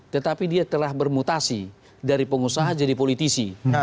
tetapi dia telah bermutasi dari pengusaha jadi politisi